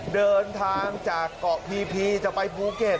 เดินทางจากเกาะพีพีจะไปภูเก็ต